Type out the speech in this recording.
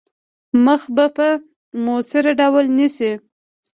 مخه به په موثِر ډول نیسي.